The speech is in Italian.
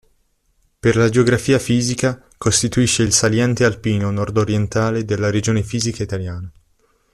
Per la geografia fisica, costituisce il saliente alpino nord-orientale della regione fisica italiana.